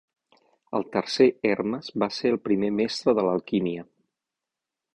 El tercer Hermes va ser el primer mestre de l'alquímia.